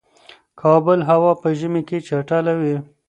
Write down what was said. کابل هوا په ژمی کی چټله وی